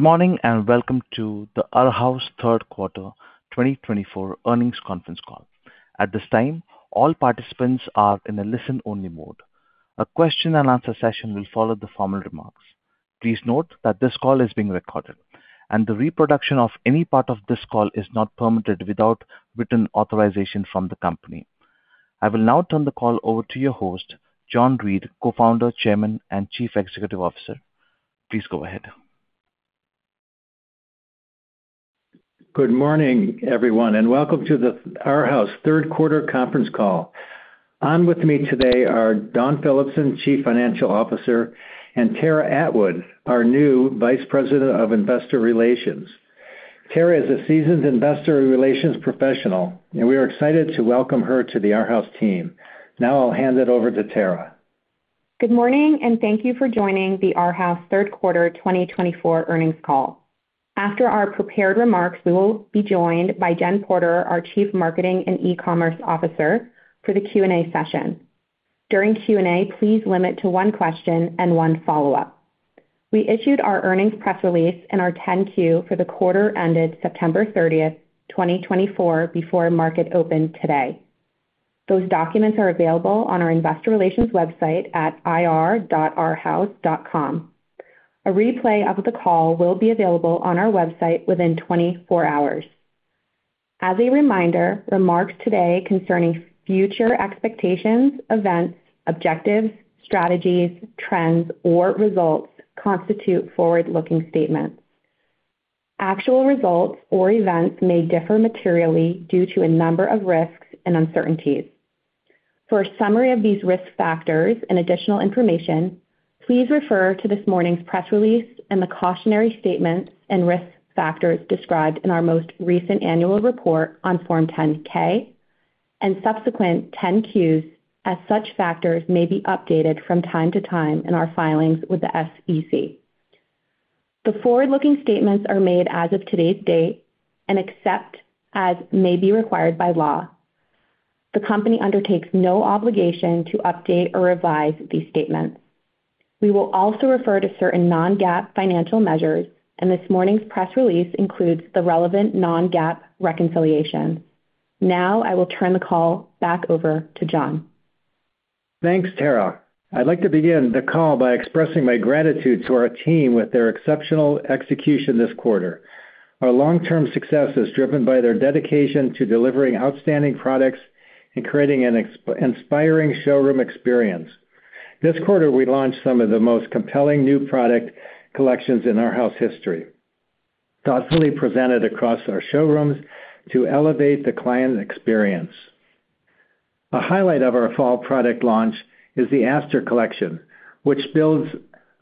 Good morning and welcome to the Arhaus Q3 2024 earnings conference call. At this time, all participants are in a listen-only mode. A question-and-answer session will follow the formal remarks. Please note that this call is being recorded, and the reproduction of any part of this call is not permitted without written authorization from the company. I will now turn the call over to your host, John Reed, Co-founder, Chairman, and Chief Executive Officer. Please go ahead. Good morning, everyone, and welcome to the Arhaus Q3 conference call. On with me today are Dawn Phillipson, Chief Financial Officer, and Tara Atwood, our new Vice President of Investor Relations. Tara is a seasoned investor relations professional, and we are excited to welcome her to the Arhaus team. Now I'll hand it over to Tara. Good morning, and thank you for joining the Arhaus Q3 2024 earnings call. After our prepared remarks, we will be joined by Jen Porter, our Chief Marketing and E-commerce Officer, for the Q&A session. During Q&A, please limit to one question and one follow-up. We issued our earnings press release and our 10-Q for the quarter ended September 30th, 2024, before market opened today. Those documents are available on our investor relations website at ir.arhaus.com. A replay of the call will be available on our website within 24 hours. As a reminder, remarks today concerning future expectations, events, objectives, strategies, trends, or results constitute forward-looking statements. Actual results or events may differ materially due to a number of risks and uncertainties. For a summary of these risk factors and additional information, please refer to this morning's press release and the cautionary statements and risk factors described in our most recent annual report on Form 10-K and subsequent Form 10-Qs, as such factors may be updated from time to time in our filings with the SEC. The forward-looking statements are made as of today's date and except as may be required by law. The company undertakes no obligation to update or revise these statements. We will also refer to certain non-GAAP financial measures, and this morning's press release includes the relevant non-GAAP reconciliation. Now I will turn the call back over to John. Thanks, Tara. I'd like to begin the call by expressing my gratitude to our team with their exceptional execution this quarter. Our long-term success is driven by their dedication to delivering outstanding products and creating an inspiring showroom experience. This quarter, we launched some of the most compelling new product collections in Arhaus history, thoughtfully presented across our showrooms to elevate the client experience. A highlight of our fall product launch is the Astor Collection, which builds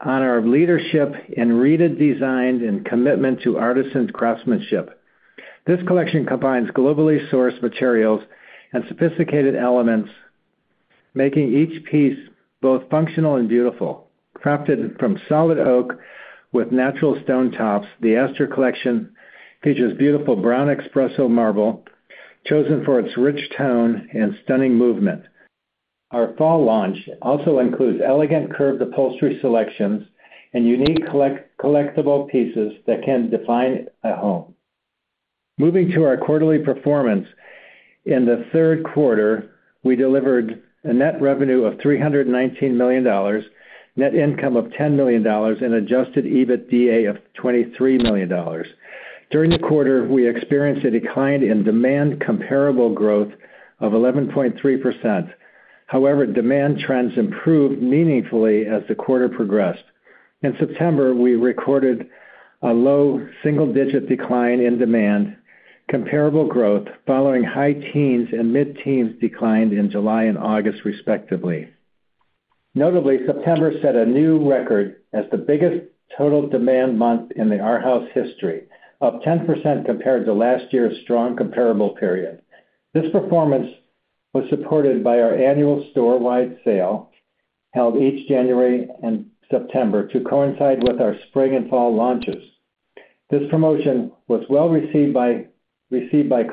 on our leadership in reeded design and commitment to artisan craftsmanship. This collection combines globally sourced materials and sophisticated elements, making each piece both functional and beautiful. Crafted from solid oak with natural stone tops, the Astor Collection features beautiful brown espresso marble chosen for its rich tone and stunning movement. Our fall launch also includes elegant curved upholstery selections and unique collectible pieces that can define a home. Moving to our quarterly performance, in Q3, we delivered a net revenue of $319 million, net income of $10 million, and adjusted EBITDA of $23 million. During the quarter, we experienced a decline in demand comparable growth of 11.3%. However, demand trends improved meaningfully as the quarter progressed. In September, we recorded a low single-digit decline in demand, comparable growth following high teens and mid-teens declines in July and August, respectively. Notably, September set a new record as the biggest total demand month in Arhaus history, up 10% compared to last year's strong comparable period. This performance was supported by our annual store-wide sale, held each January and September, to coincide with our spring and fall launches. This promotion was well received by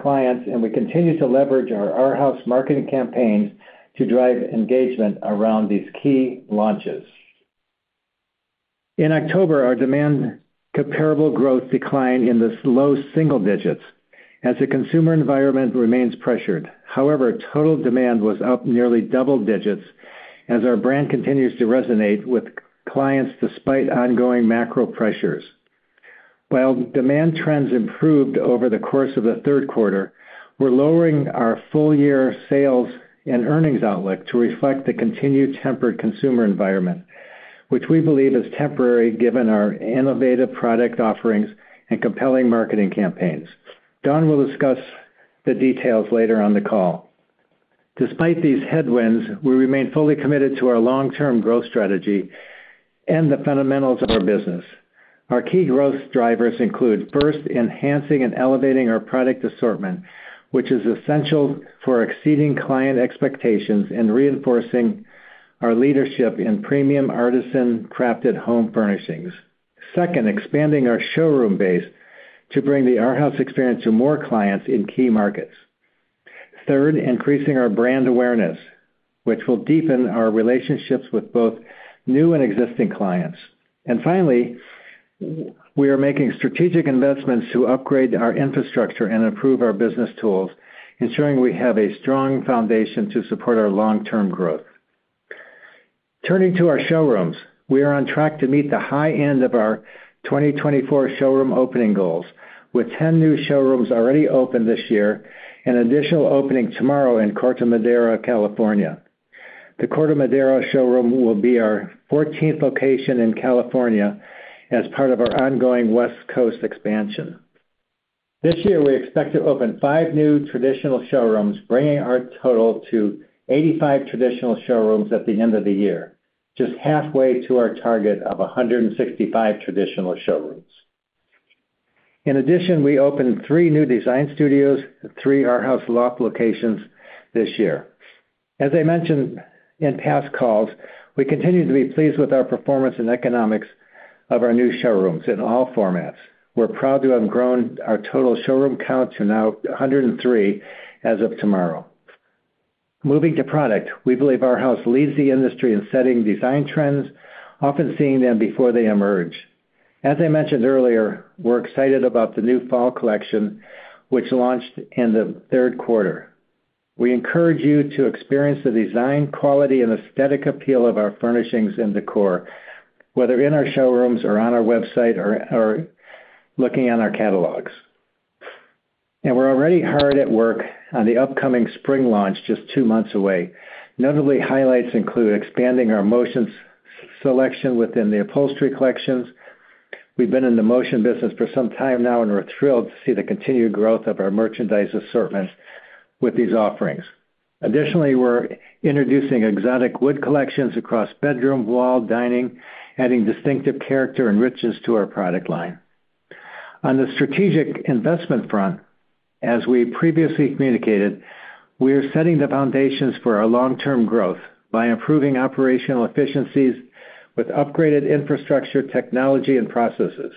clients, and we continue to leverage our Arhaus marketing campaigns to drive engagement around these key launches. In October, our demand comparable growth declined in the low single digits as the consumer environment remains pressured. However, total demand was up nearly double digits as our brand continues to resonate with clients despite ongoing macro pressures. While demand trends improved over the course of Q3, we're lowering our full-year sales and earnings outlook to reflect the continued tempered consumer environment, which we believe is temporary given our innovative product offerings and compelling marketing campaigns. Dawn will discuss the details later on the call. Despite these headwinds, we remain fully committed to our long-term growth strategy and the fundamentals of our business. Our key growth drivers include: first, enhancing and elevating our product assortment, which is essential for exceeding client expectations and reinforcing our leadership in premium artisan crafted home furnishings. Second, expanding our showroom base to bring the Arhaus experience to more clients in key markets. Third, increasing our brand awareness, which will deepen our relationships with both new and existing clients. And finally, we are making strategic investments to upgrade our infrastructure and improve our business tools, ensuring we have a strong foundation to support our long-term growth. Turning to our showrooms, we are on track to meet the high end of our 2024 showroom opening goals, with 10 new showrooms already opened this year and an additional opening tomorrow in Corte Madera, California. The Corte Madera showroom will be our 14th location in California as part of our ongoing West Coast expansion. This year, we expect to open five new traditional showrooms, bringing our total to 85 traditional showrooms at the end of the year, just halfway to our target of 165 traditional showrooms. In addition, we opened three new design studios at three Arhaus Loft locations this year. As I mentioned in past calls, we continue to be pleased with our performance and economics of our new showrooms in all formats. We're proud to have grown our total showroom count to now 103 as of tomorrow. Moving to product, we believe Arhaus leads the industry in setting design trends, often seeing them before they emerge. As I mentioned earlier, we're excited about the new fall collection, which launched in Q3. We encourage you to experience the design, quality, and aesthetic appeal of our furnishings and decor, whether in our showrooms or on our website or looking at our catalogs, and we're already hard at work on the upcoming spring launch just two months away. Notably, highlights include expanding our motion selection within the upholstery collections. We've been in the motion business for some time now, and we're thrilled to see the continued growth of our merchandise assortment with these offerings. Additionally, we're introducing exotic wood collections across bedroom, wall, dining, adding distinctive character and richness to our product line. On the strategic investment front, as we previously communicated, we are setting the foundations for our long-term growth by improving operational efficiencies with upgraded infrastructure, technology, and processes.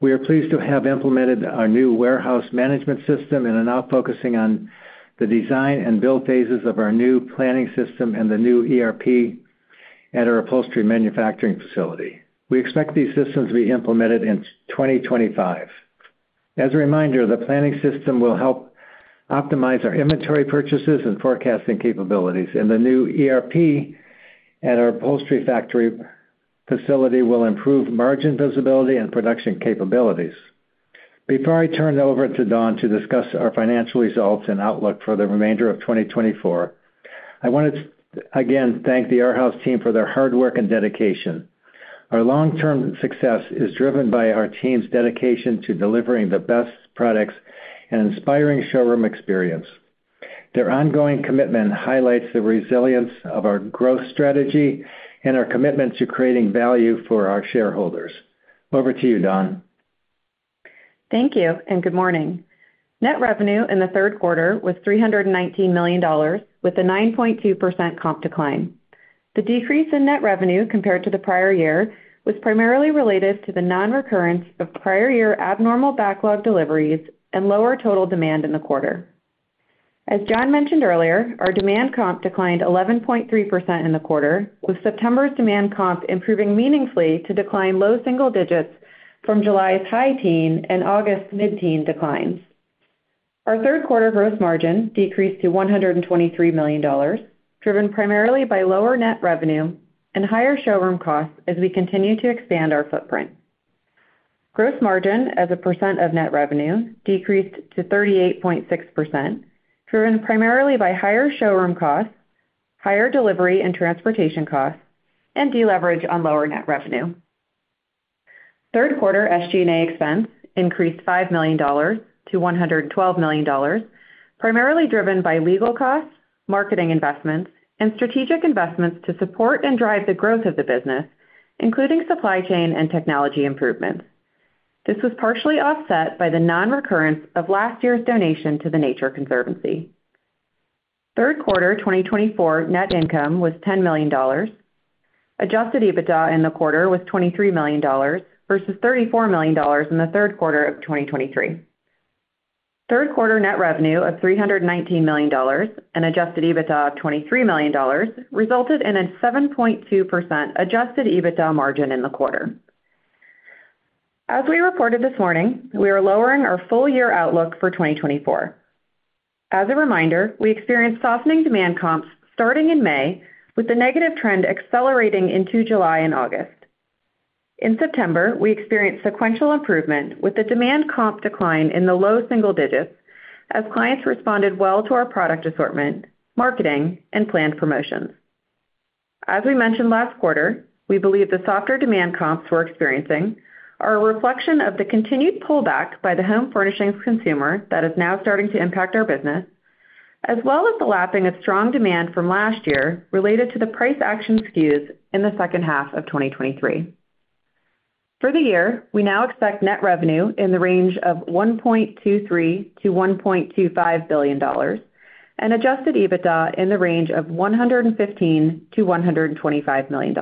We are pleased to have implemented our new warehouse management system and are now focusing on the design and build phases of our new planning system and the new ERP at our upholstery manufacturing facility. We expect these systems to be implemented in 2025. As a reminder, the planning system will help optimize our inventory purchases and forecasting capabilities, and the new ERP at our upholstery factory facility will improve margin visibility and production capabilities. Before I turn it over to Dawn to discuss our financial results and outlook for the remainder of 2024, I want to again thank the Arhaus team for their hard work and dedication. Our long-term success is driven by our team's dedication to delivering the best products and inspiring showroom experience. Their ongoing commitment highlights the resilience of our growth strategy and our commitment to creating value for our shareholders. Over to you, Dawn. Thank you, and good morning. Net revenue in Q3 was $319 million, with a 9.2% comp decline. The decrease in net revenue compared to the prior year was primarily related to the non-recurrence of prior year abnormal backlog deliveries and lower total demand in the quarter. As John mentioned earlier, our demand comp declined 11.3% in a quarter, with September's demand comp improving meaningfully to decline low single digits from July's high teen and August mid-teen declines. Our third quarter gross margin decreased to $123 million, driven primarily by lower net revenue and higher showroom costs as we continue to expand our footprint. Gross margin as a percent of net revenue decreased to 38.6%, driven primarily by higher showroom costs, higher delivery and transportation costs, and deleverage on lower net revenue. Third quarter SG&A expense increased $5 million to $112 million, primarily driven by legal costs, marketing investments, and strategic investments to support and drive the growth of the business, including supply chain and technology improvements. This was partially offset by the non-recurrence of last year's donation to The Nature Conservancy. Third quarter 2024 net income was $10 million. Adjusted EBITDA in Q4 was $23 million versus $34 million in third quarter of 2023. Third quarter net revenue of $319 million and adjusted EBITDA of $23 million resulted in a 7.2% adjusted EBITDA margin in a quarter. As we reported this morning, we are lowering our full-year outlook for 2024. As a reminder, we experienced softening demand comps starting in May, with the negative trend accelerating into July and August. In September, we experienced sequential improvement with the demand comp decline in the low single digits as clients responded well to our product assortment, marketing, and planned promotions. As we mentioned last quarter, we believe the softer demand comps we're experiencing are a reflection of the continued pullback by the home furnishings consumer that is now starting to impact our business, as well as the lapping of strong demand from last year related to the price action SKUs in the second half of 2023. For the year, we now expect net revenue in the range of $1.23 billion-$1.25 billion and adjusted EBITDA in the range of $115 million-$125 million.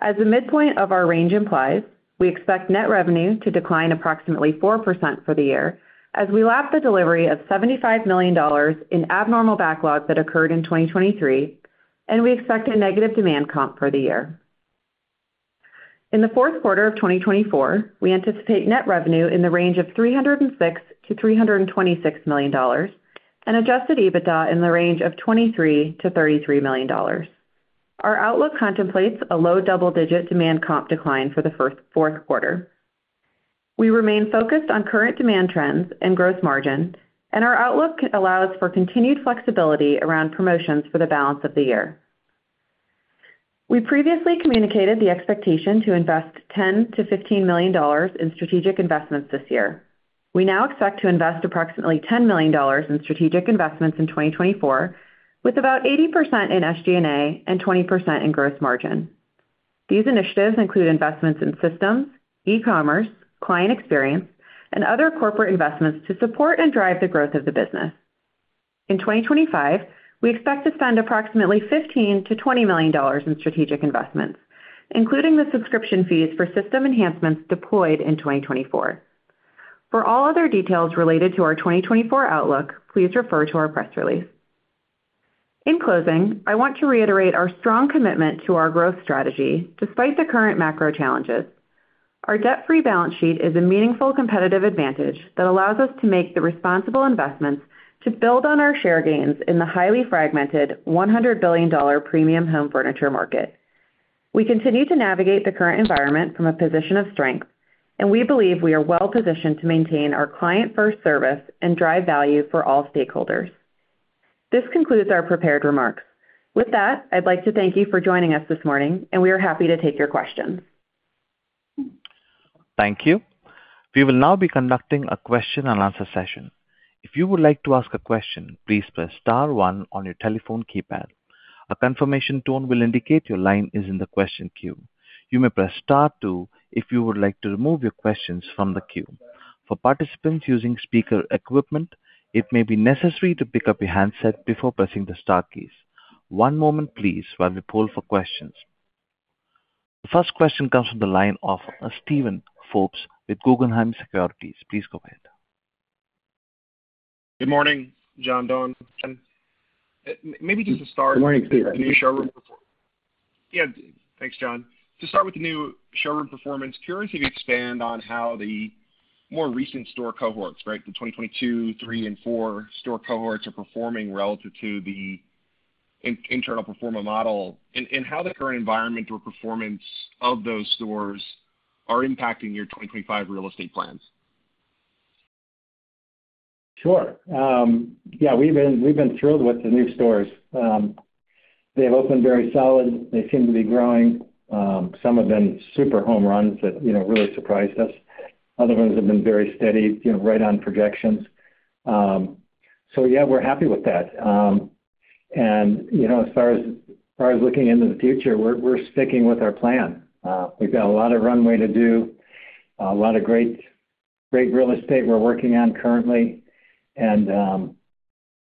As the midpoint of our range implies, we expect net revenue to decline approximately 4% for the year as we lap the delivery of $75 million in abnormal backlog that occurred in 2023, and we expect a negative demand comp for the year. In Q4 of 2024, we anticipate net revenue in the range of $306 million-$326 million and adjusted EBITDA in the range of $23 million-$33 million. Our outlook contemplates a low double-digit demand comp decline for fiscal fourth quarter. We remain focused on current demand trends and gross margin, and our outlook allows for continued flexibility around promotions for the balance of the year. We previously communicated the expectation to invest $10 million-$15 million in strategic investments this year. We now expect to invest approximately $10 million in strategic investments in 2024, with about 80% in SG&A and 20% in gross margin. These initiatives include investments in systems, e-commerce, client experience, and other corporate investments to support and drive the growth of the business. In 2025, we expect to spend approximately $15 million-$20 million in strategic investments, including the subscription fees for system enhancements deployed in 2024. For all other details related to our 2024 outlook, please refer to our press release. In closing, I want to reiterate our strong commitment to our growth strategy despite the current macro challenges. Our debt-free balance sheet is a meaningful competitive advantage that allows us to make the responsible investments to build on our share gains in the highly fragmented $100 billion premium home furniture market. We continue to navigate the current environment from a position of strength, and we believe we are well positioned to maintain our client-first service and drive value for all stakeholders. This concludes our prepared remarks. With that, I'd like to thank you for joining us this morning, and we are happy to take your questions. Thank you. We will now be conducting a question-and-answer session. If you would like to ask a question, please press star one on your telephone keypad. A confirmation tone will indicate your line is in the question queue. You may press star two if you would like to remove your questions from the queue. For participants using speaker equipment, it may be necessary to pick up your handset before pressing the start keys. One moment, please, while we poll for questions. The first question comes from the line of Steven Forbes with Guggenheim Securities. Please go ahead. Good morning, John, Dawn, and maybe just to start. Good morning, Steve. The new showroom performance. Yeah, thanks, John. To start with the new showroom performance, curious if you could expand on how the more recent store cohorts, right, the 2022, 2023, and 2024 store cohorts are performing relative to the internal performer model and how the current environment or performance of those stores are impacting your 2025 real estate plans? Sure. Yeah, we've been thrilled with the new stores. They've opened very solid. They seem to be growing. Some have been super home runs that really surprised us. Other ones have been very steady, right on projections. So yeah, we're happy with that. And as far as looking into the future, we're sticking with our plan. We've got a lot of runway to do, a lot of great real estate we're working on currently. And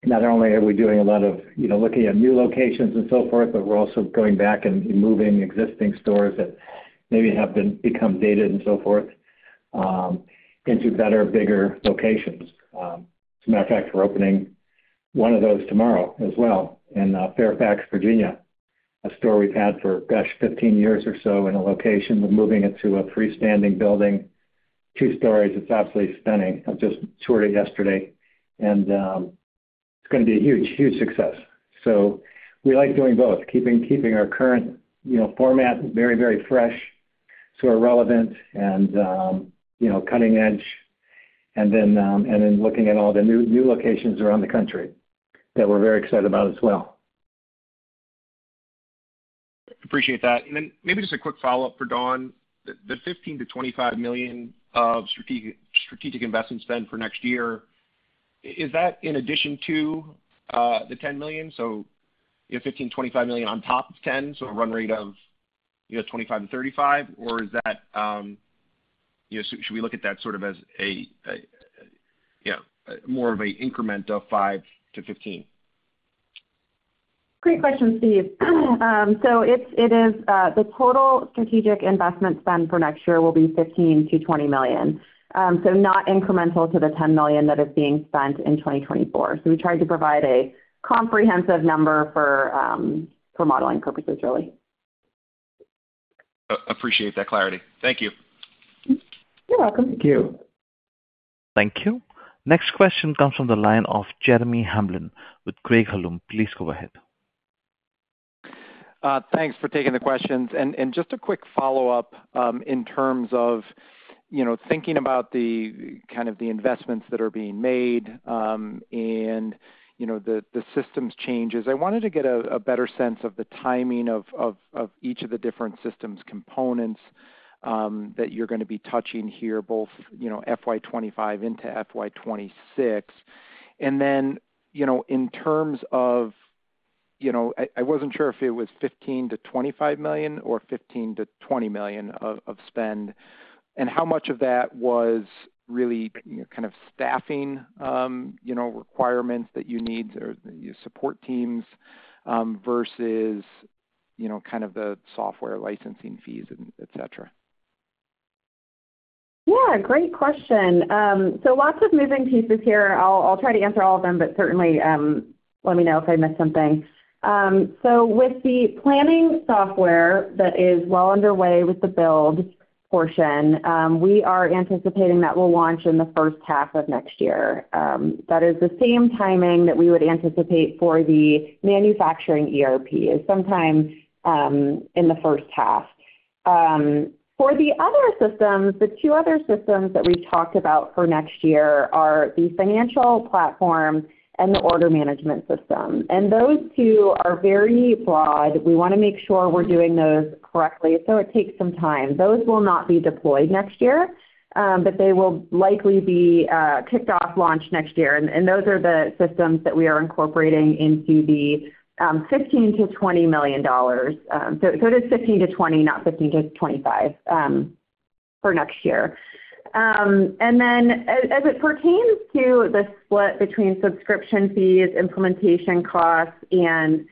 not only are we doing a lot of looking at new locations and so forth, but we're also going back and moving existing stores that maybe have become dated and so forth into better, bigger locations. As a matter of fact, we're opening one of those tomorrow as well in Fairfax, Virginia, a store we've had for, gosh, 15 years or so in a location. We're moving it to a freestanding building, two stories. It's absolutely stunning. I just toured it yesterday, and it's going to be a huge, huge success. So we like doing both, keeping our current format very, very fresh, super relevant, and cutting edge, and then looking at all the new locations around the country that we're very excited about as well. Appreciate that. And then maybe just a quick follow-up for Dawn. The $15 million-$25 million of strategic investments then for next year, is that in addition to the $10 million? So $15 million-$25 million on top of $10 million, so a run rate of $25 million-$35 million, or is that should we look at that sort of as more of an increment of $5 million-$15 million? Great question, Steve. So the total strategic investment spend for next year will be $15 million-$20 million, so not incremental to the $10 million that is being spent in 2024. So we tried to provide a comprehensive number for modeling purposes, really. Appreciate that clarity. Thank you. You're welcome. Thank you. Thank you. Next question comes from the line of Jeremy Hamblin with Craig-Hallum. Please go ahead. Thanks for taking the questions. And just a quick follow-up in terms of thinking about the kind of investments that are being made and the systems changes. I wanted to get a better sense of the timing of each of the different systems components that you're going to be touching here, both FY 2025 into FY 2026. And then in terms of I wasn't sure if it was $15 million-$25 million or $15 million-$20 million of spend, and how much of that was really kind of staffing requirements that you need or support teams versus kind of the software licensing fees, etc.? Yeah, great question, so lots of moving pieces here. I'll try to answer all of them, but certainly let me know if I missed something, so with the planning software that is well underway with the build portion, we are anticipating that we'll launch in the first half of next year. That is the same timing that we would anticipate for the manufacturing ERP, sometime in the first half. For the other systems, the two other systems that we've talked about for next year are the financial platform and the order management system, and those two are very broad. We want to make sure we're doing those correctly, so it takes some time. Those will not be deployed next year, but they will likely be kicked off, launched next year, and those are the systems that we are incorporating into the $15 million-$20 million. So it is $15 million-$20 million, not $15 million-$25 million for next year. And then as it pertains to the split between subscription fees, implementation costs, and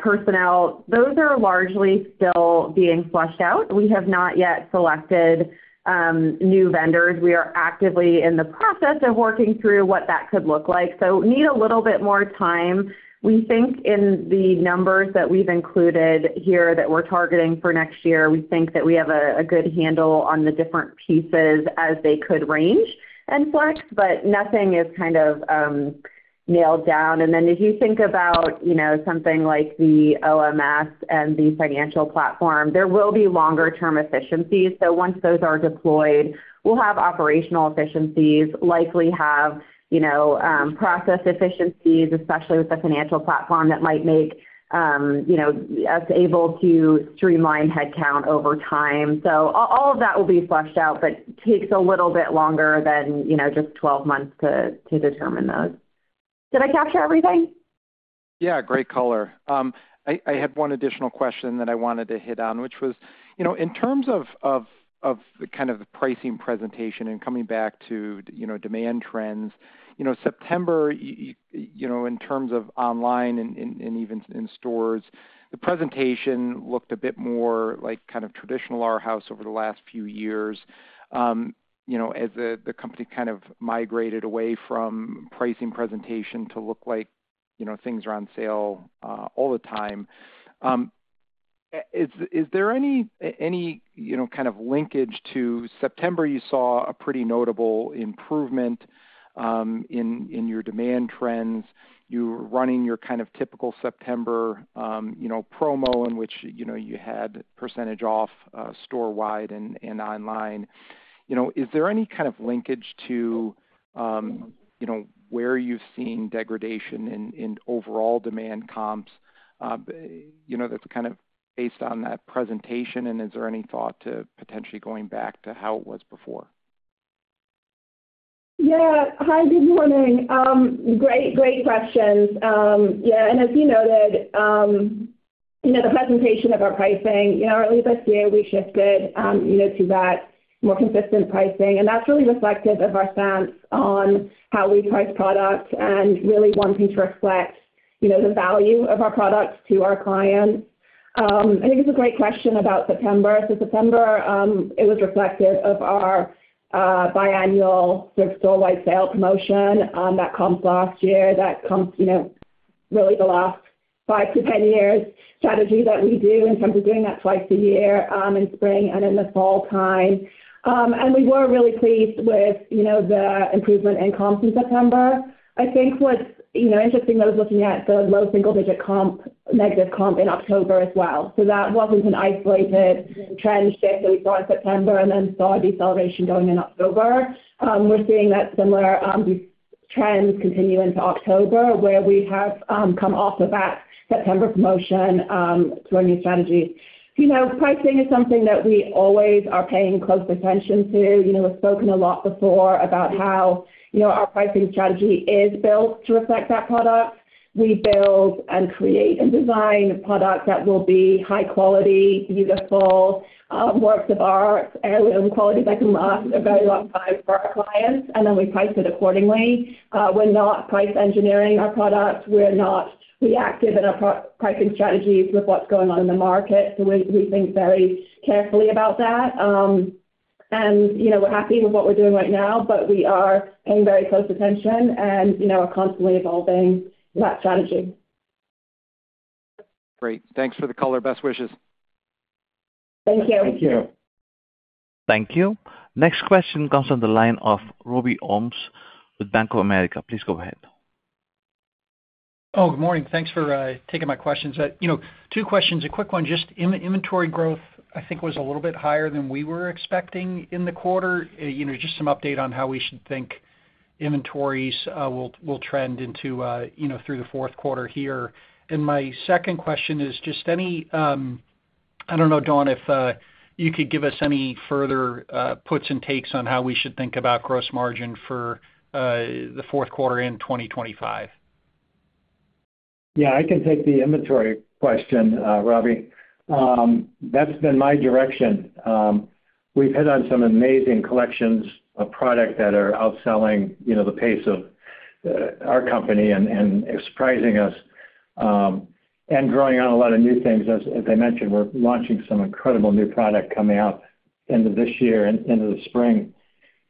personnel, those are largely still being flushed out. We have not yet selected new vendors. We are actively in the process of working through what that could look like. So need a little bit more time. We think in the numbers that we've included here that we're targeting for next year, we think that we have a good handle on the different pieces as they could range and flex, but nothing is kind of nailed down. And then if you think about something like the OMS and the financial platform, there will be longer-term efficiencies. So once those are deployed, we'll have operational efficiencies, likely have process efficiencies, especially with the financial platform that might make us able to streamline headcount over time. So all of that will be fleshed out, but takes a little bit longer than just 12 months to determine those. Did I capture everything? Yeah, great color. I had one additional question that I wanted to hit on, which was in terms of kind of the pricing presentation and coming back to demand trends, September, in terms of online and even in stores, the presentation looked a bit more like kind of traditional Arhaus over the last few years as the company kind of migrated away from pricing presentation to look like things are on sale all the time. Is there any kind of linkage to September? You saw a pretty notable improvement in your demand trends. You were running your kind of typical September promo in which you had percentage off store-wide and online. Is there any kind of linkage to where you've seen degradation in overall demand comps that's kind of based on that presentation? And is there any thought to potentially going back to how it was before? Yeah. Hi, good morning. Great, great questions. Yeah. And as you noted, the presentation of our pricing, early this year, we shifted to that more consistent pricing. And that's really reflective of our stance on how we price products and really wanting to reflect the value of our products to our clients. I think it's a great question about September. So September, it was reflective of our biannual store-wide sale promotion that comes last year, that comes really the last five to 10 years strategy that we do in terms of doing that twice a year in spring and in the fall time. And we were really pleased with the improvement in comps in September. I think what's interesting though is looking at the low single-digit negative comp in October as well. So that wasn't an isolated trend shift that we saw in September and then saw a deceleration going in October. We're seeing that similar trends continue into October where we have come off of that September promotion to our new strategy. Pricing is something that we always are paying close attention to. We've spoken a lot before about how our pricing strategy is built to reflect that product. We build and create and design products that will be high quality, beautiful, works of art, heirloom quality that can last a very long time for our clients, and then we price it accordingly. We're not price engineering our products. We're not reactive in our pricing strategies with what's going on in the market. So we think very carefully about that. We're happy with what we're doing right now, but we are paying very close attention and are constantly evolving that strategy. Great. Thanks for the color. Best wishes. Thank you. Thank you. Thank you. Next question comes from the line of Robbie Ohmes with Bank of America Securities. Please go ahead. Oh, good morning. Thanks for taking my questions. Two questions. A quick one. Just inventory growth, I think, was a little bit higher than we were expecting in the quarter. Just some update on how we should think inventories will trend into through the fourth quarter here. And my second question is just any, I don't know, Dawn, if you could give us any further puts and takes on how we should think about gross margin for the fourth quarter in 2025. Yeah, I can take the inventory question, Robbie. That's been my direction. We've hit on some amazing collections of product that are outselling the pace of our company and surprising us and growing on a lot of new things. As I mentioned, we're launching some incredible new product coming out into this year and into the spring.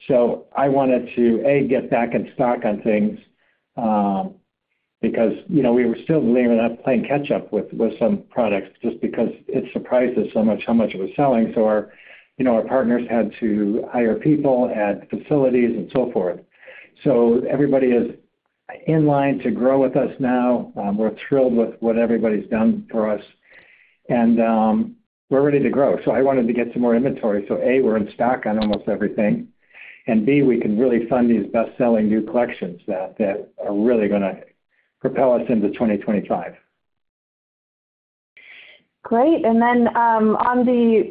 So I wanted to, A, get back in stock on things because we were still lagging enough playing catch-up with some products just because it surprised us so much how much it was selling. So our partners had to hire people, add facilities, and so forth. So everybody is in line to grow with us now. We're thrilled with what everybody's done for us, and we're ready to grow. So I wanted to get some more inventory. So, A, we're in stock on almost everything. B, we can really fund these best-selling new collections that are really going to propel us into 2025. Great. And then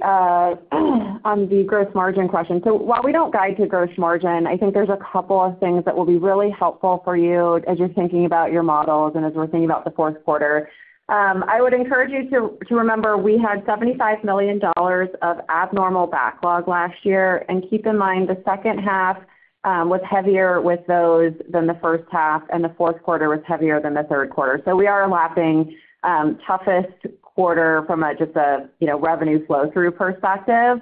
on the gross margin question, so while we don't guide to gross margin, I think there's a couple of things that will be really helpful for you as you're thinking about your models and as we're thinking about the fourth quarter. I would encourage you to remember we had $75 million of abnormal backlog last year. And keep in mind the second half was heavier with those than the first half, and the fourth quarter was heavier than the third quarter. So we are lapping toughest quarter from just a revenue flow-through perspective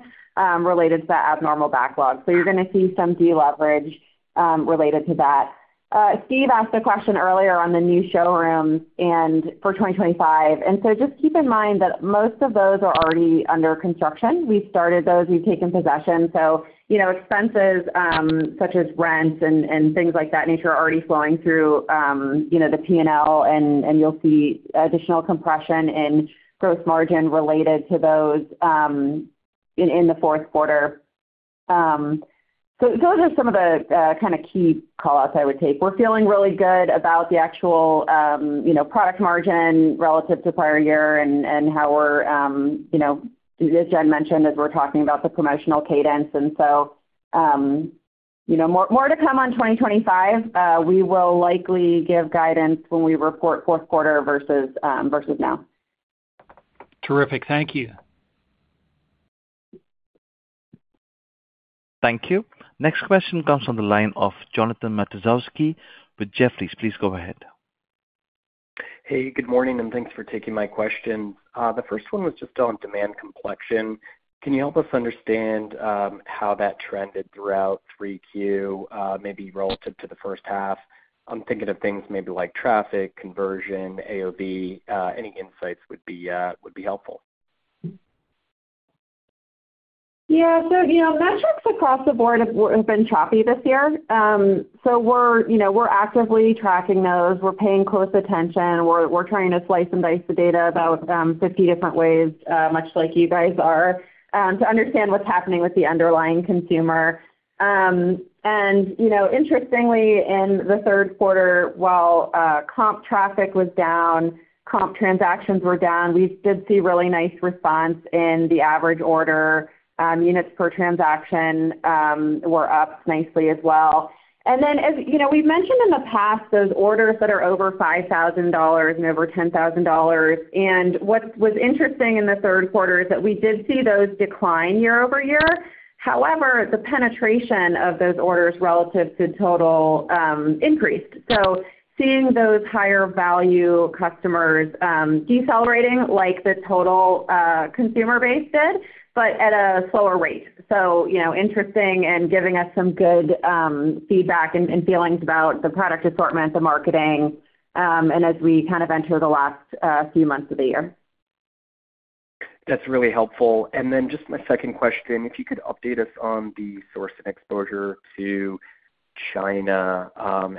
related to that abnormal backlog. So you're going to see some deleverage related to that. Steve asked a question earlier on the new showrooms for 2025. And so just keep in mind that most of those are already under construction. We've started those. We've taken possession. So expenses such as rents and things like that nature are already flowing through the P&L, and you'll see additional compression in gross margin related to those in the fourth quarter. So those are some of the kind of key callouts I would take. We're feeling really good about the actual product margin relative to prior year and how we're, as Jen mentioned, as we're talking about the promotional cadence. And so more to come on 2025. We will likely give guidance when we report fourth quarter versus now. Terrific. Thank you. Thank you. Next question comes from the line of Jonathan Matuszewski with Jefferies. Please go ahead. Hey, good morning, and thanks for taking my question. The first one was just on demand comps. Can you help us understand how that trended throughout 3Q, maybe relative to the first half? I'm thinking of things maybe like traffic, conversion, AOV. Any insights would be helpful. Yeah. So metrics across the board have been choppy this year. So we're actively tracking those. We're paying close attention. We're trying to slice and dice the data about 50 different ways, much like you guys are, to understand what's happening with the underlying consumer. And interestingly, in the third quarter, while comp traffic was down, comp transactions were down, we did see really nice response in the average order. Units per transaction were up nicely as well. And then we've mentioned in the past those orders that are over $5,000 and over $10,000. And what was interesting in the third quarter is that we did see those decline year over year. However, the penetration of those orders relative to total increased. So seeing those higher-value customers decelerating like the total consumer base did, but at a slower rate. So interesting and giving us some good feedback and feelings about the product assortment, the marketing, and as we kind of enter the last few months of the year. That's really helpful. And then just my second question, if you could update us on the sourcing and exposure to China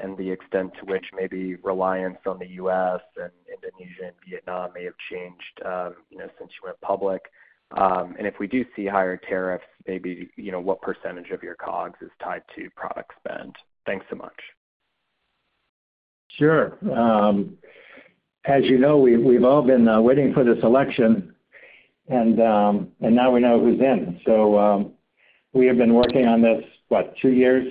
and the extent to which maybe reliance on the U.S. and Indonesia and Vietnam may have changed since you went public? And if we do see higher tariffs, maybe what percentage of your COGS is tied to product spend? Thanks so much. Sure. As you know, we've all been waiting for this election, and now we know who's in. So we have been working on this, what, two years,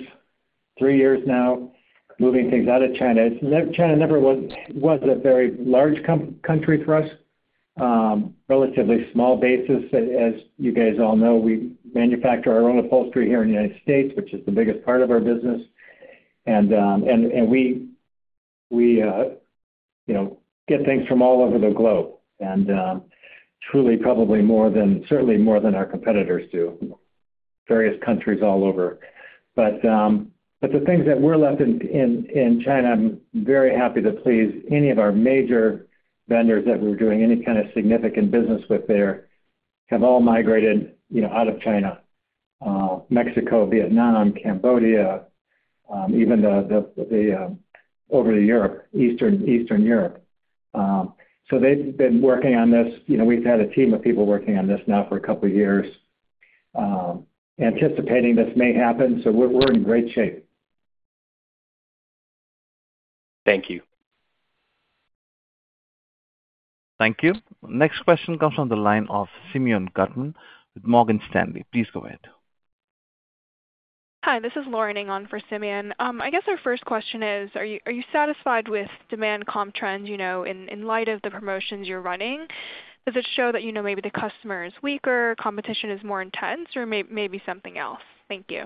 three years now, moving things out of China. China never was a very large country for us, relatively small basis. As you guys all know, we manufacture our own upholstery here in the United States, which is the biggest part of our business. And we get things from all over the globe and truly probably certainly more than our competitors do, various countries all over. But the things that we're left in China, I'm very happy to please any of our major vendors that we're doing any kind of significant business with there have all migrated out of China: Mexico, Vietnam, Cambodia, even over to Europe, Eastern Europe. So they've been working on this. We've had a team of people working on this now for a couple of years, anticipating this may happen. So we're in great shape. Thank you. Thank you. Next question comes from the line of Simeon Gutman with Morgan Stanley. Please go ahead. Hi, this is Lauren Ng on for Simeon. I guess our first question is, are you satisfied with demand comp trends in light of the promotions you're running? Does it show that maybe the customer is weaker, competition is more intense, or maybe something else? Thank you.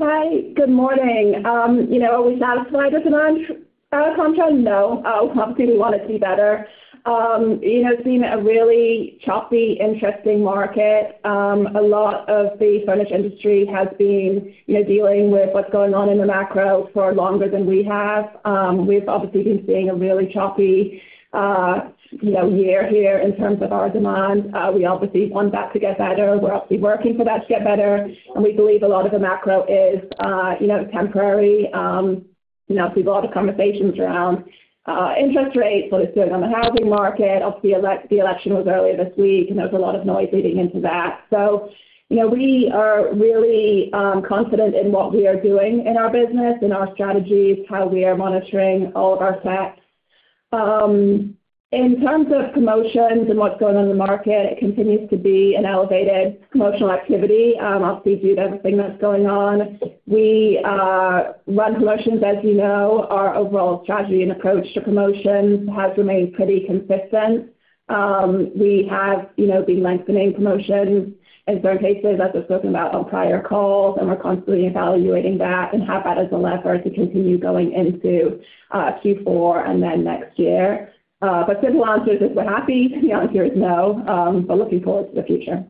Hi, good morning. Are we satisfied with demand comp trends? No. Obviously, we want it to be better. It's been a really choppy, interesting market. A lot of the furniture industry has been dealing with what's going on in the macro for longer than we have. We've obviously been seeing a really choppy year here in terms of our demand. We obviously want that to get better. We're obviously working for that to get better, and we believe a lot of the macro is temporary. We've had a lot of conversations around interest rates, what it's doing on the housing market. Obviously, the election was earlier this week, and there was a lot of noise leading into that, so we are really confident in what we are doing in our business, in our strategies, how we are monitoring all of our sets. In terms of promotions and what's going on in the market, it continues to be an elevated promotional activity. Obviously, due to everything that's going on, we run promotions, as you know. Our overall strategy and approach to promotions has remained pretty consistent. We have been lengthening promotions in certain cases, as I've spoken about on prior calls, and we're constantly evaluating that and have that as a lever to continue going into Q4 and then next year. But simple answer is we're happy. The answer is no, but looking forward to the future.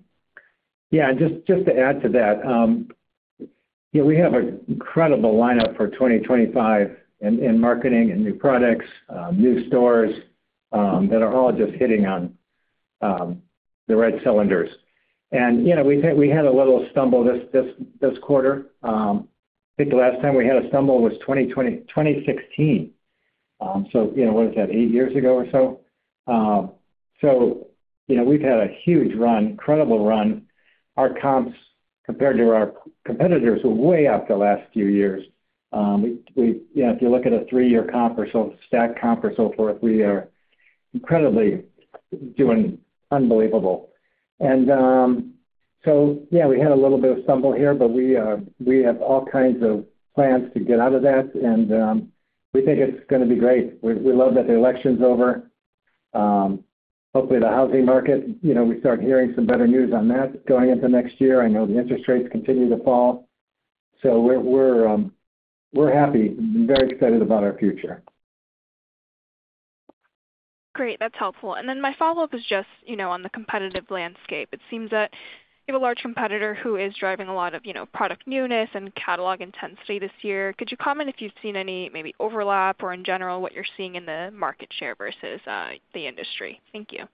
Yeah. And just to add to that, we have an incredible lineup for 2025 in marketing and new products, new stores that are all just firing on all cylinders. And we had a little stumble this quarter. I think the last time we had a stumble was 2016. So what is that, eight years ago or so? So we've had a huge run, incredible run. Our comps compared to our competitors were way up the last few years. If you look at a three-year comp or stack comp or so forth, we are incredibly doing unbelievable. And so, yeah, we had a little bit of stumble here, but we have all kinds of plans to get out of that, and we think it's going to be great. We love that the election's over. Hopefully, the housing market, we start hearing some better news on that going into next year. I know the interest rates continue to fall, so we're happy and very excited about our future. Great. That's helpful, and then my follow-up is just on the competitive landscape. It seems that you have a large competitor who is driving a lot of product newness and catalog intensity this year. Could you comment if you've seen any maybe overlap or, in general, what you're seeing in the market share versus the industry? Thank you.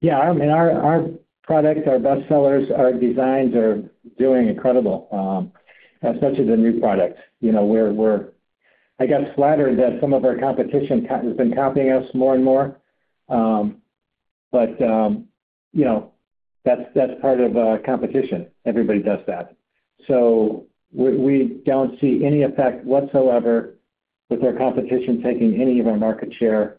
Yeah. I mean, our products, our best sellers, our designs are doing incredible, especially the new products. We're, I guess, flattered that some of our competition has been copying us more and more. But that's part of competition. Everybody does that. So we don't see any effect whatsoever with our competition taking any of our market share,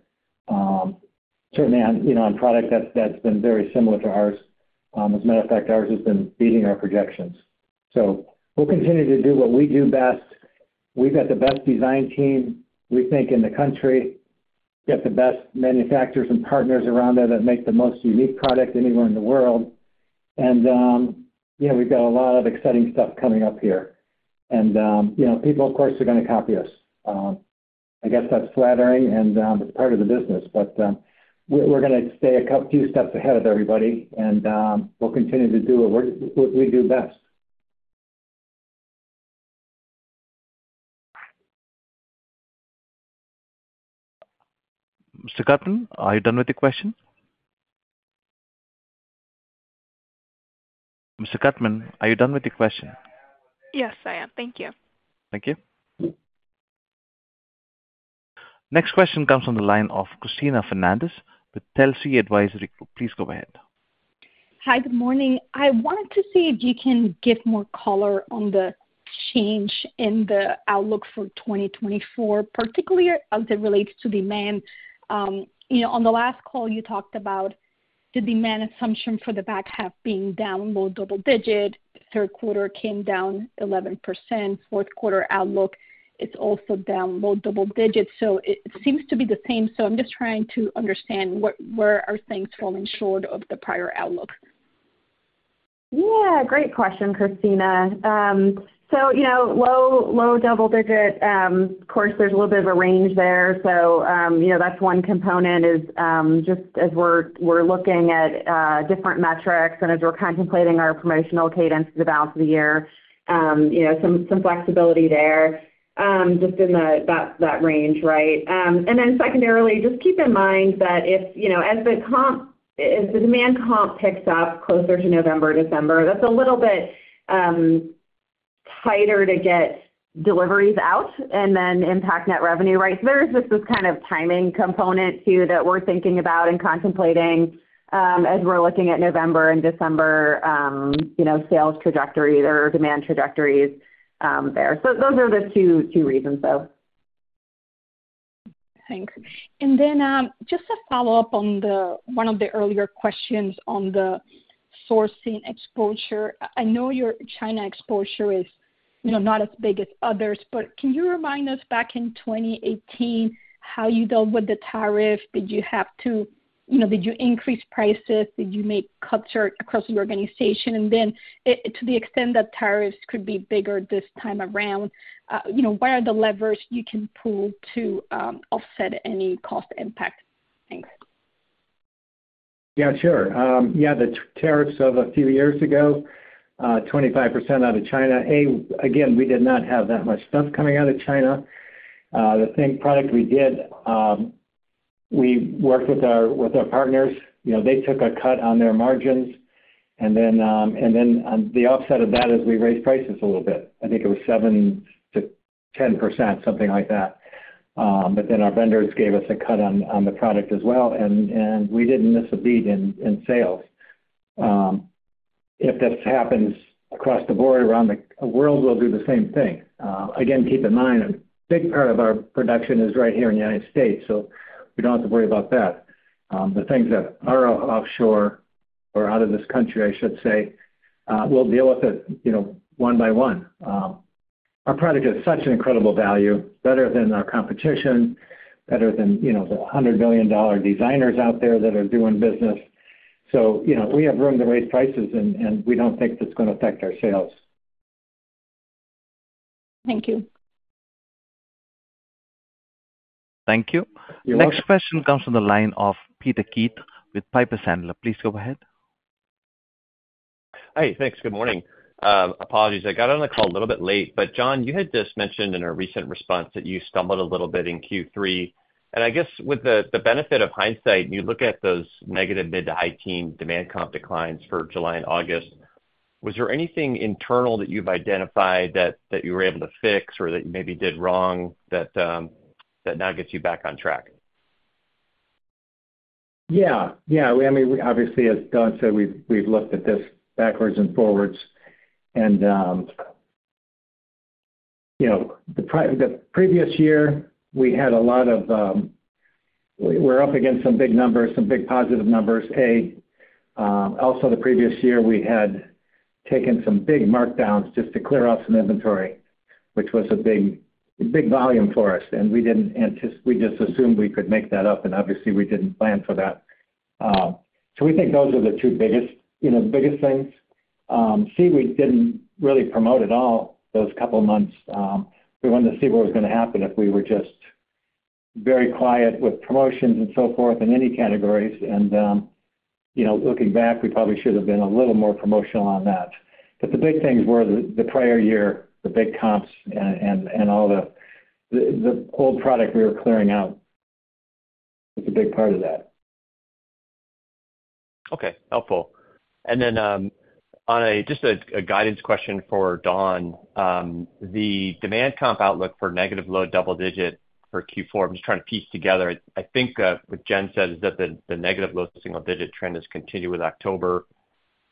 certainly on product that's been very similar to ours. As a matter of fact, ours has been beating our projections. So we'll continue to do what we do best. We've got the best design team, we think, in the country. We've got the best manufacturers and partners around there that make the most unique product anywhere in the world. And we've got a lot of exciting stuff coming up here. And people, of course, are going to copy us. I guess that's flattering, and it's part of the business. But we're going to stay a few steps ahead of everybody, and we'll continue to do what we do best. Mr. Gutman, are you done with the question? Yes, I am. Thank you. Thank you. Next question comes from the line of Cristina Fernández with Telsey Advisory. Please go ahead. Hi, good morning. I wanted to see if you can give more color on the change in the outlook for 2024, particularly as it relates to demand. On the last call, you talked about the demand assumption for the back half being down low double digit. Third quarter came down 11%. Fourth quarter outlook is also down low double digit. So it seems to be the same. So I'm just trying to understand where are things falling short of the prior outlook? Yeah. Great question, Christina. So low double digit, of course, there's a little bit of a range there. So that's one component is just as we're looking at different metrics and as we're contemplating our promotional cadence for the balance of the year, some flexibility there just in that range, right? And then secondarily, just keep in mind that as the demand comp picks up closer to November, December, that's a little bit tighter to get deliveries out and then impact net revenue, right? So there's just this kind of timing component too that we're thinking about and contemplating as we're looking at November and December sales trajectory or demand trajectories there. So those are the two reasons, though. Thanks. And then just to follow up on one of the earlier questions on the sourcing exposure, I know your China exposure is not as big as others, but can you remind us back in 2018 how you dealt with the tariff? Did you have to - did you increase prices? Did you make cuts across the organization? And then to the extent that tariffs could be bigger this time around, what are the levers you can pull to offset any cost impact? Thanks. Yeah, sure. Yeah, the tariffs of a few years ago, 25% out of China. Again, we did not have that much stuff coming out of China. The same product we did, we worked with our partners. They took a cut on their margins. And then the offset of that is we raised prices a little bit. I think it was 7%-10%, something like that. But then our vendors gave us a cut on the product as well, and we didn't miss a beat in sales. If this happens across the board around the world, we'll do the same thing. Again, keep in mind a big part of our production is right here in the United States, so we don't have to worry about that. The things that are offshore or out of this country, I should say, we'll deal with it one by one. Our product has such an incredible value, better than our competition, better than the $100 million designers out there that are doing business, so we have room to raise prices, and we don't think that's going to affect our sales. Thank you. Thank you. Next question comes from the line of Peter Keith with Piper Sandler. Please go ahead. Hi, thanks. Good morning. Apologies. I got on the call a little bit late, but John, you had just mentioned in a recent response that you stumbled a little bit in Q3. And I guess with the benefit of hindsight, you look at those negative mid-to-high teens demand comp declines for July and August. Was there anything internal that you've identified that you were able to fix or that you maybe did wrong that now gets you back on track? Yeah. Yeah. I mean, obviously, as Dawn said, we've looked at this backwards and forwards. And the previous year, we had a lot of—we're up against some big numbers, some big positive numbers. Also, the previous year, we had taken some big markdowns just to clear off some inventory, which was a big volume for us. And we just assumed we could make that up, and obviously, we didn't plan for that. So we think those are the two biggest things. See, we didn't really promote at all those couple of months. We wanted to see what was going to happen if we were just very quiet with promotions and so forth in any categories. And looking back, we probably should have been a little more promotional on that. But the big things were the prior year, the big comps and all the old product we were clearing out. It's a big part of that. Okay. Helpful. And then just a guidance question for Dawn. The demand comp outlook for negative low double-digit for Q4, I'm just trying to piece together. I think what Jen said is that the negative low single-digit trend has continued with October.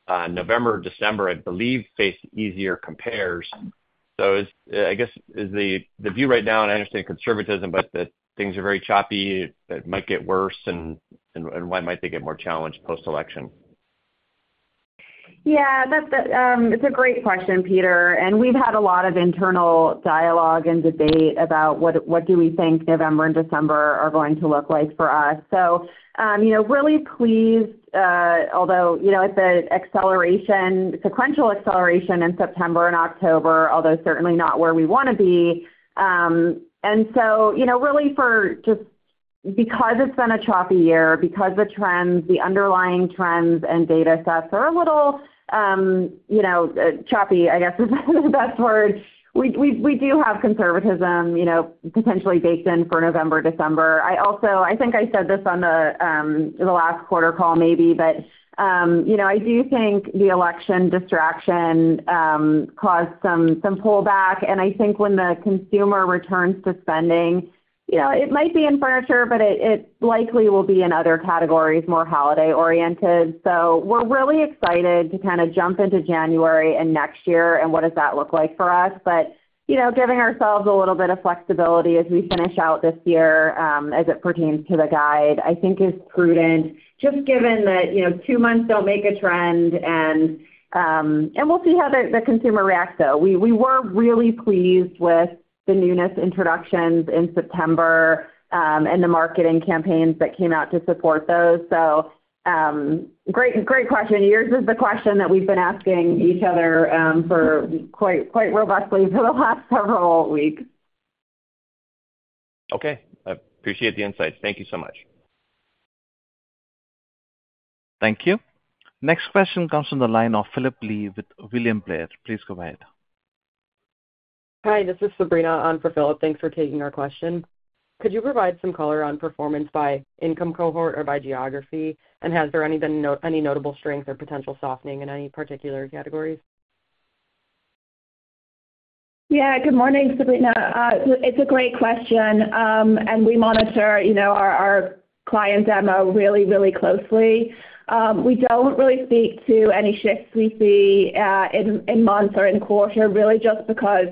November, December, I believe, faced easier compares. So I guess the view right now, and I understand conservatism, but that things are very choppy, that it might get worse, and why might they get more challenged post-election? Yeah. It's a great question, Peter. And we've had a lot of internal dialogue and debate about what do we think November and December are going to look like for us. So really pleased, although it's a sequential acceleration in September and October, although certainly not where we want to be. And so really just because it's been a choppy year, because the trends, the underlying trends and data sets are a little choppy, I guess is the best word, we do have conservatism potentially baked in for November, December. I think I said this on the last quarter call maybe, but I do think the election distraction caused some pullback. And I think when the consumer returns to spending, it might be in furniture, but it likely will be in other categories, more holiday-oriented. So we're really excited to kind of jump into January and next year and what does that look like for us. But giving ourselves a little bit of flexibility as we finish out this year as it pertains to the guide, I think, is prudent just given that two months don't make a trend, and we'll see how the consumer reacts though. We were really pleased with the newness introductions in September and the marketing campaigns that came out to support those. So great question. Yours is the question that we've been asking each other quite robustly for the last several weeks. Okay. I appreciate the insights. Thank you so much. Thank you. Next question comes from the line of Phillip Blee with William Blair. Please go ahead. Hi, this is Sabrina on for Phillip. Thanks for taking our question. Could you provide some color on performance by income cohort or by geography? And has there been any notable strength or potential softening in any particular categories? Yeah. Good morning, Sabrina. It's a great question. And we monitor our client demo really, really closely. We don't really speak to any shifts we see in months or in quarter really just because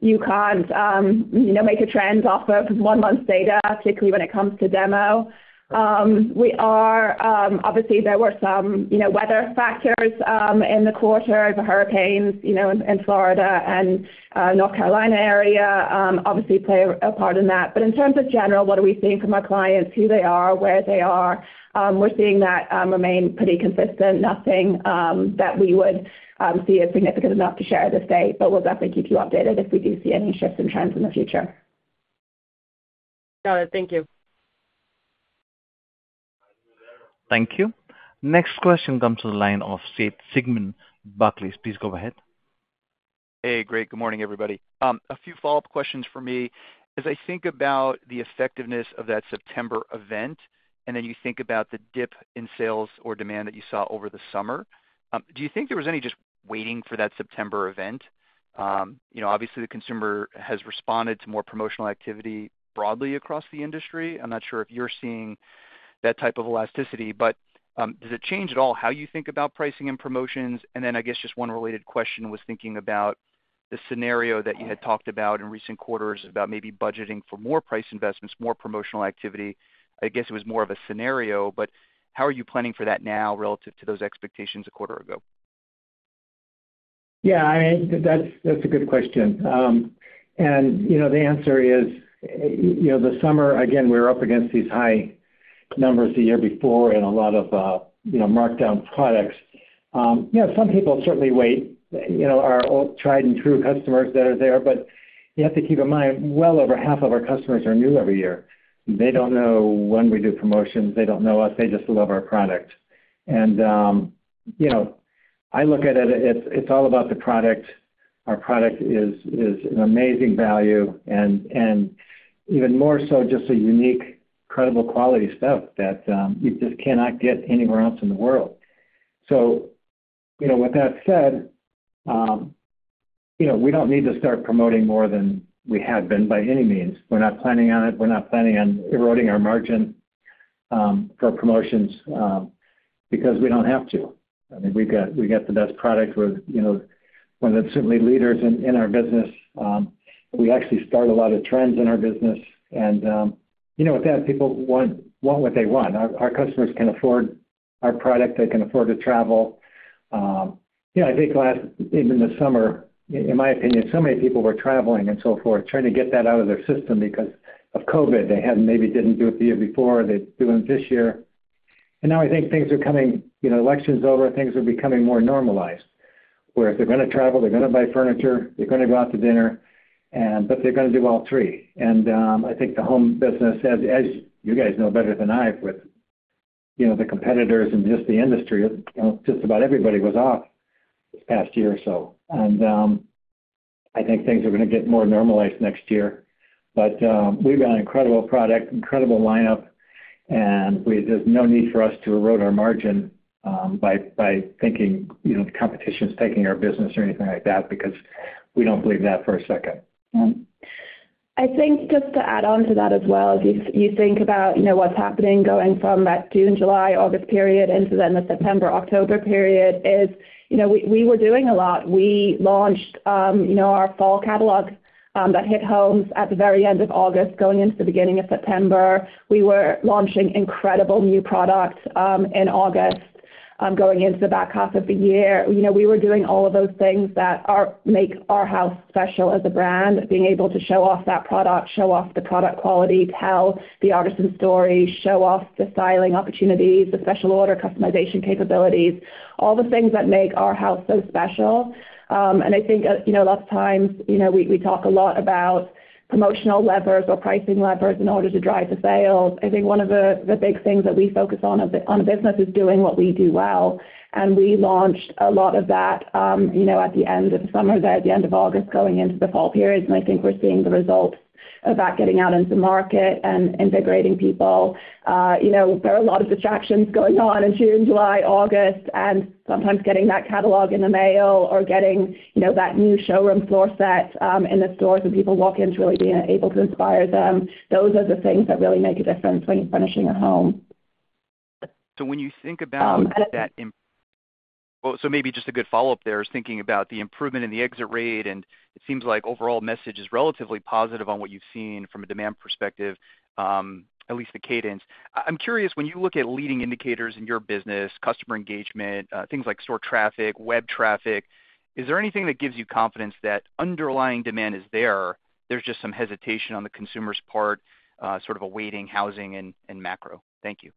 you can't make a trend off of one month's data, particularly when it comes to demo. Obviously, there were some weather factors in the quarter of the hurricanes in Florida and North Carolina area obviously play a part in that. But in terms of general, what are we seeing from our clients, who they are, where they are? We're seeing that remain pretty consistent. Nothing that we would see as significant enough to share at this date, but we'll definitely keep you updated if we do see any shifts in trends in the future. Got it. Thank you. Thank you. Next question comes from the line of Seth Sigman, Barclays. Please go ahead. Hey, great. Good morning, everybody. A few follow-up questions for me. As I think about the effectiveness of that September event and then you think about the dip in sales or demand that you saw over the summer, do you think there was any just waiting for that September event? Obviously, the consumer has responded to more promotional activity broadly across the industry. I'm not sure if you're seeing that type of elasticity, but does it change at all how you think about pricing and promotions? And then I guess just one related question was thinking about the scenario that you had talked about in recent quarters about maybe budgeting for more price investments, more promotional activity. I guess it was more of a scenario, but how are you planning for that now relative to those expectations a quarter ago? Yeah. I mean, that's a good question. And the answer is the summer, again, we were up against these high numbers the year before and a lot of markdown products. Yeah, some people certainly wait. Our tried-and-true customers that are there, but you have to keep in mind well over half of our customers are new every year. They don't know when we do promotions. They don't know us. They just love our product. And I look at it as it's all about the product. Our product is an amazing value and even more so just a unique, incredible quality stuff that you just cannot get anywhere else in the world. So with that said, we don't need to start promoting more than we have been by any means. We're not planning on it. We're not planning on eroding our margin for promotions because we don't have to. I mean, we got the best product. We're certainly one of the leaders in our business. We actually start a lot of trends in our business. And with that, people want what they want. Our customers can afford our product. They can afford to travel. Yeah, I think even this summer, in my opinion, so many people were traveling and so forth trying to get that out of their system because of COVID. They maybe didn't do it the year before. They're doing it this year. And now I think things are coming. Election's over. Things are becoming more normalized where if they're going to travel, they're going to buy furniture. They're going to go out to dinner, but they're going to do all three. I think the home business, as you guys know better than I with the competitors and just the industry, just about everybody was off this past year or so. I think things are going to get more normalized next year. We've got an incredible product, incredible lineup, and there's no need for us to erode our margin by thinking the competition is taking our business or anything like that because we don't believe that for a second. Yeah. I think just to add on to that as well, as you think about what's happening going from that June, July, August period into then the September, October period is we were doing a lot. We launched our fall catalog that hit homes at the very end of August going into the beginning of September. We were launching incredible new product in August going into the back half of the year. We were doing all of those things that make Arhaus special as a brand, being able to show off that product, show off the product quality, tell the artisan story, show off the styling opportunities, the special order customization capabilities, all the things that make Arhaus so special, and I think a lot of times we talk a lot about promotional levers or pricing levers in order to drive the sales. I think one of the big things that we focus on as a business is doing what we do well. And we launched a lot of that at the end of the summer there, at the end of August going into the fall period. And I think we're seeing the results of that getting out into market and integrating people. There are a lot of distractions going on in June, July, August, and sometimes getting that catalog in the mail or getting that new showroom floor set in the stores and people walking into it, really being able to inspire them. Those are the things that really make a difference when you're furnishing a home. So when you think about that well, so maybe just a good follow-up there is thinking about the improvement in the exit rate, and it seems like overall message is relatively positive on what you've seen from a demand perspective, at least the cadence. I'm curious, when you look at leading indicators in your business, customer engagement, things like store traffic, web traffic, is there anything that gives you confidence that underlying demand is there? There's just some hesitation on the consumer's part, sort of awaiting housing and macro. Thank you.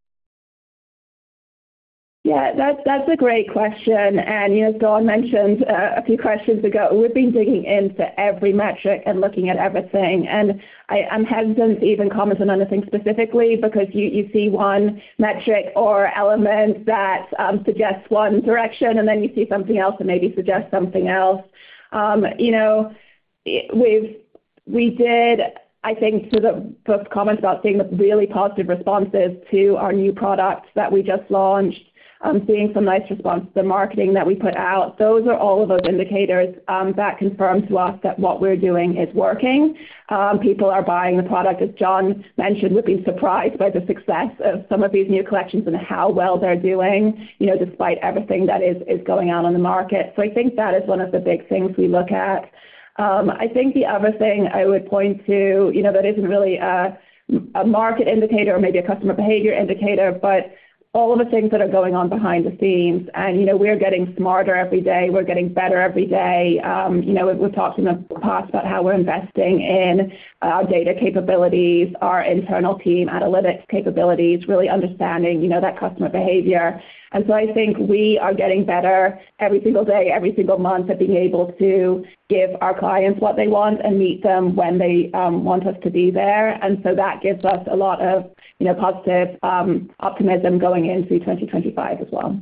Yeah. That's a great question. And as Dawn mentioned a few questions ago, we've been digging into every metric and looking at everything. And I'm hesitant to even comment on anything specifically because you see one metric or element that suggests one direction, and then you see something else that maybe suggests something else. We did, I think, to the comments about seeing the really positive responses to our new product that we just launched, seeing some nice response to the marketing that we put out. Those are all of those indicators that confirm to us that what we're doing is working. People are buying the product. As John mentioned, we've been surprised by the success of some of these new collections and how well they're doing despite everything that is going on in the market. So I think that is one of the big things we look at. I think the other thing I would point to that isn't really a market indicator or maybe a customer behavior indicator, but all of the things that are going on behind the scenes, and we're getting smarter every day. We're getting better every day. We've talked in the past about how we're investing in our data capabilities, our internal team analytics capabilities, really understanding that customer behavior, and so I think we are getting better every single day, every single month at being able to give our clients what they want and meet them when they want us to be there, and so that gives us a lot of positive optimism going into 2025 as well.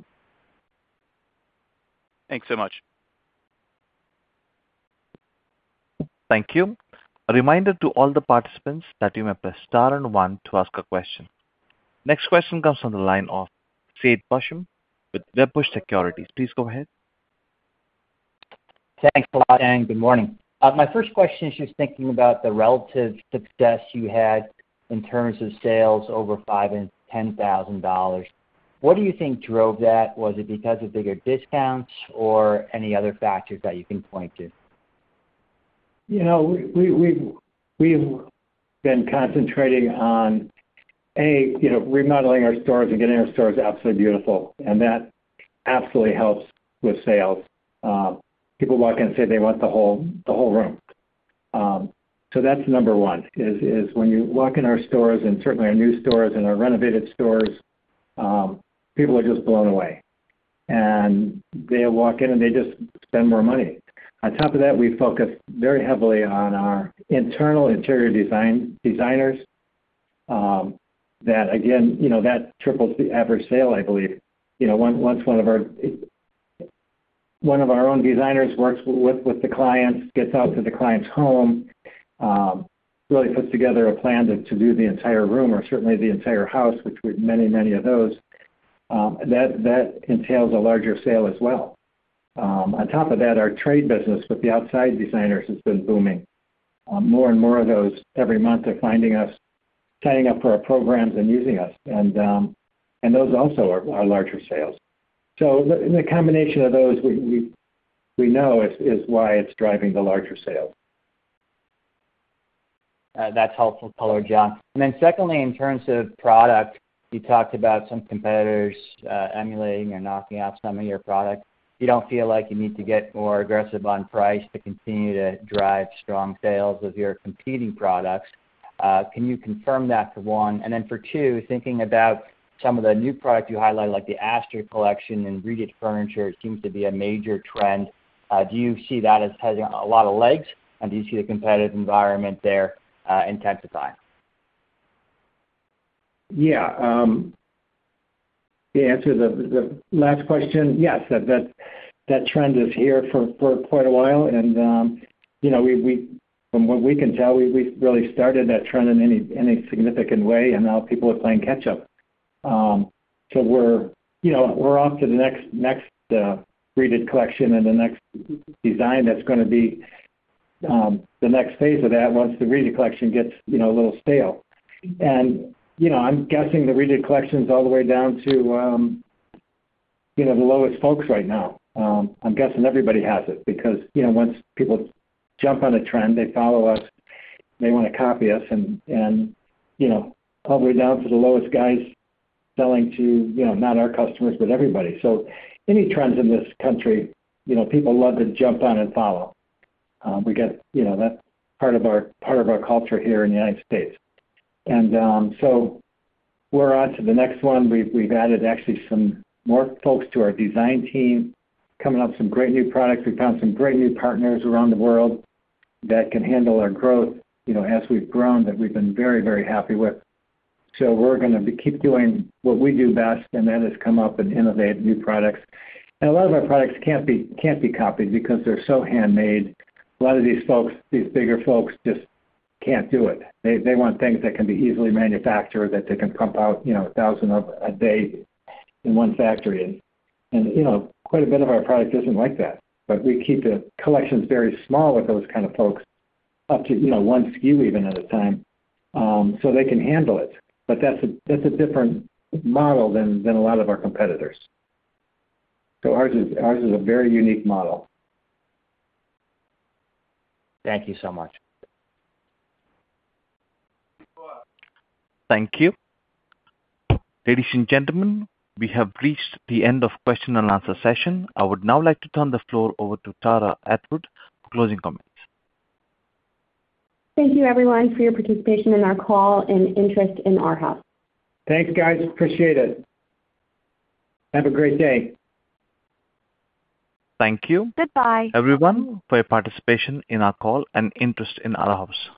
Thanks so much. Thank you. A reminder to all the participants that you may press star and one to ask a question. Next question comes from the line of Seth Basham with Wedbush Securities. Please go ahead. Thanks, Paul. Good morning. My first question is just thinking about the relative success you had in terms of sales over $5,000 and $10,000. What do you think drove that? Was it because of bigger discounts or any other factors that you can point to? We've been concentrating on A, remodeling our stores and getting our stores absolutely beautiful, and that absolutely helps with sales. People walk in and say they want the whole room, so that's number one is when you walk in our stores, and certainly our new stores and our renovated stores, people are just blown away, and they walk in and they just spend more money. On top of that, we focus very heavily on our internal interior designers that, again, that triples the average sale, I believe. Once one of our own designers works with the clients, gets out to the client's home, really puts together a plan to do the entire room or certainly the entire house, which we have many, many of those, that entails a larger sale as well. On top of that, our trade business with the outside designers has been booming. More and more of those every month are signing up for our programs and using us. And those also are larger sales. So the combination of those we know is why it's driving the larger sales. That's helpful, John. And then secondly, in terms of product, you talked about some competitors emulating or knocking off some of your product. You don't feel like you need to get more aggressive on price to continue to drive strong sales of your competing products. Can you confirm that for one? And then for two, thinking about some of the new product you highlighted like the Astor Collection and reeded furniture, it seems to be a major trend. Do you see that as having a lot of legs? And do you see the competitive environment there intensifying? Yeah. The answer to the last question, yes, that trend is here for quite a while, and from what we can tell, we've really started that trend in any significant way, and now people are playing catch-up, so we're off to the next reeded collection and the next design that's going to be the next phase of that once the reeded collection gets a little stale, and I'm guessing the reeded collection's all the way down to the lowest folks right now. I'm guessing everybody has it because once people jump on a trend, they follow us. They want to copy us, and all the way down to the lowest guys selling to not our customers, but everybody, so any trends in this country, people love to jump on and follow. We got that part of our culture here in the United States. And so we're on to the next one. We've added actually some more folks to our design team. Coming up, some great new products. We found some great new partners around the world that can handle our growth as we've grown that we've been very, very happy with. So we're going to keep doing what we do best, and that is come up and innovate new products. And a lot of our products can't be copied because they're so handmade. A lot of these folks, these bigger folks just can't do it. They want things that can be easily manufactured that they can pump out a thousand of a day in one factory. And quite a bit of our product isn't like that. But we keep the collections very small with those kind of folks up to one SKU even at a time so they can handle it. But that's a different model than a lot of our competitors. So ours is a very unique model. Thank you so much. Thank you. Ladies and gentlemen, we have reached the end of the question and answer session. I would now like to turn the floor over to Tara Atwood for closing comments. Thank you, everyone, for your participation in our call and interest in Arhaus. Thanks, guys. Appreciate it. Have a great day. Thank you. Goodbye. Everyone, for your participation in our call and interest in Arhaus.